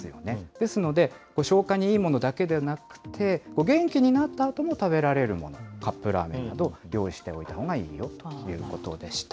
ですので、消化にいいものだけではなくて、元気になったあとも食べられるもの、カップラーメンなどを用意しておいたほうがいいよということでした。